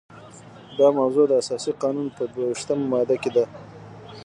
دا موضوع د اساسي قانون په دوه ویشتمه ماده کې ده.